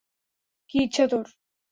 কী ইচ্ছা তোর?